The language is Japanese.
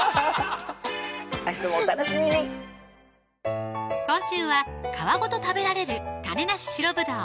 明日もお楽しみに今週は皮ごと食べられる種なし白ぶどう